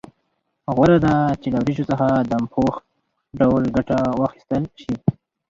غوره ده چې له وریجو څخه دم پوخ ډول ګټه واخیستل شي.